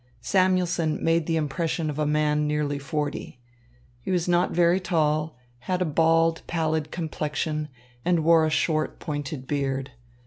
Samuelson made the impression of a man of nearly forty. He was not very tall, had a bad, pallid complexion, and wore a short, pointed beard.